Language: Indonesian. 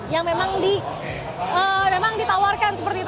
yang memang ditawarkan seperti itu